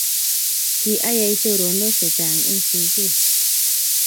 kiayei choronok chechanh eng sukul.